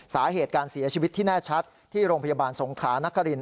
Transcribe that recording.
สาเหตุการเสียชีวิตที่แน่ชัดที่โรงพยาบาลสงขานคริน